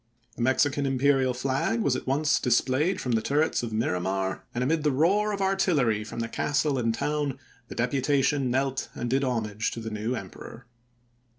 The Mexican imperial flag was at once displayed from the turrets of Miramar, and 412 ABEAHAM LINCOLN chap. xiv. amid the roar of artillery from the castle and the town, the deputation knelt and did homage to the new Emperor.